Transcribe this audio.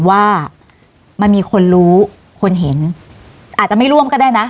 ว่ามันมีคนรู้คนเห็นอาจจะไม่ร่วมก็ได้นะ